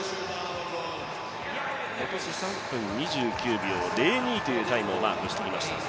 今年、３分２９秒０２というタイムをマークしていました。